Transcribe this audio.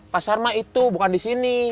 pasar mah itu bukan di sini